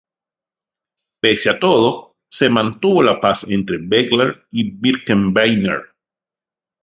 Pese a todo, se mantuvo la paz entre bagler y birkebeiner.